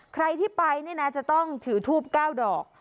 ใครที่ไปเนี่ยนะจะต้องถือทูบ๙ดอก